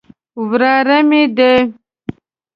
وراره مې دی.